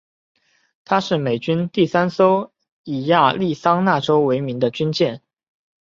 她是美军第三艘以亚利桑那州为名的军舰。